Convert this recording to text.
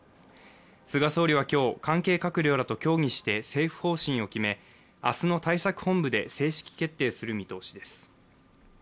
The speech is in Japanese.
菅総理は今日関係閣僚らと協議して政府方針を決め、明日の対策本部で正式決定する見通しです。